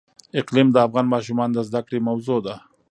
اقلیم د افغان ماشومانو د زده کړې موضوع ده.